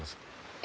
え？